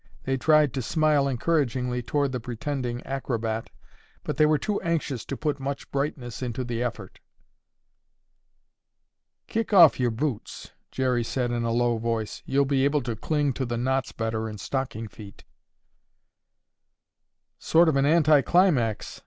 They tried to smile encouragingly toward the pretending acrobat, but they were too anxious to put much brightness into the effort. "Kick off your boots," Jerry said in a low voice; "you'll be able to cling to the knots better in stocking feet." "Sort of an anti climax."